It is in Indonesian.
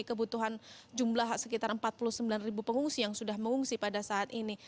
kebutuhan jumlah sekitar empat puluh sembilan pengungsi yang sudah mengungsi pada saat ini